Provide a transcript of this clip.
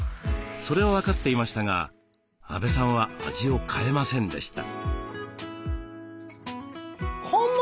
それは分かっていましたが阿部さんは味を変えませんでした。